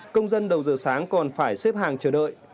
công dân đầu giờ sáng còn phải xếp hàng chờ đợi